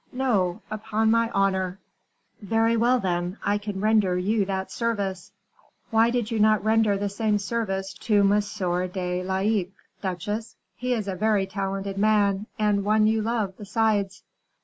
"No, upon my honor." "Very well, then, I can render you that service." "Why did you not render the same service to M. de Laicques, duchesse? He is a very talented man, and one you love, besides."